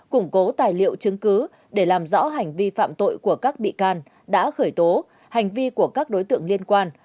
củng cố tài liệu chứng cứ để làm rõ hành vi phạm tội của các bị can đã khởi tố hành vi của các đối tượng liên quan